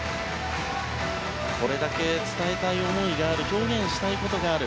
これだけ伝えたい思いがあり表現したいことがある。